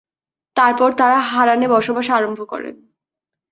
তারপর তারা হারানে বসবাস আরম্ভ করেন।